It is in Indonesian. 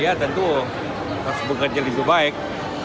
ya tentu pas bekerja lebih baik